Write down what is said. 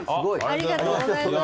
ありがとうございます。